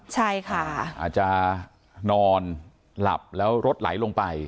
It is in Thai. ใช่ค่ะอาจจะนอนหลับแล้วรถไหลลงไป